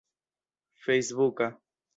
fejsbuka